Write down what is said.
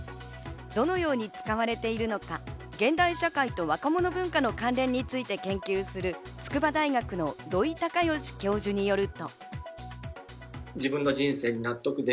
どのように使われているのか、現代社会と若者文化の関連について研究する筑波大学の土井隆義教授によると。